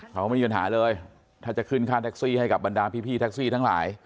เขาไม่มีปัญหาเลยถ้าจะขึ้นค่าแท็กซี่ให้กับบรรดาพี่แท็กซี่ทั้งหลาย